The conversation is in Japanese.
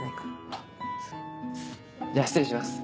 あじゃあ失礼します。